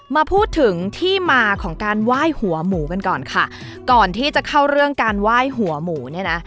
มาพูดถึงที่มาของการไหว้หัวหมูกันก่อนค่ะก่อนที่จะเข้าเรื่องการไหว้หัวหมูเนี่ยนะ